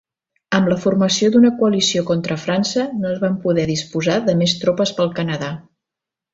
Amb la formació d'una coalició contra França, no es van poder disposar de més tropes pel Canadà.